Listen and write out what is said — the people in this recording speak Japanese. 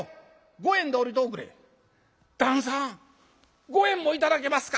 「旦さん五円も頂けますか？」。